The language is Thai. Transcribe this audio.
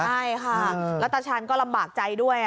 ใช่ค่ะแล้วตาชาญก็ลำบากใจด้วย